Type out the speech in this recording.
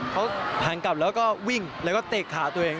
เขาหันกลับแล้วก็วิ่งแล้วก็เตะขาตัวเอง